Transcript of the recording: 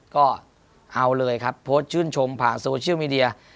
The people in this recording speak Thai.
ก็เอาเลยครับโพสต์ชื่นชมผ่านโซเชียลมีเดีย